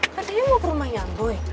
ternyata mau ke rumahnya boy